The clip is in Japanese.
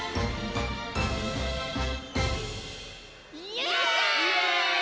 イエーイ！